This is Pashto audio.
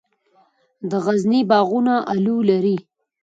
د غزني باغونه الو لري.